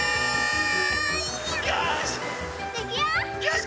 よし！